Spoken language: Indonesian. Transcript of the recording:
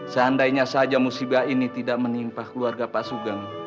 seandainya saja musibah ini tidak menimpa keluarga pak sugeng